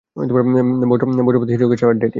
বজ্রপাতের hero Crash আর এডি।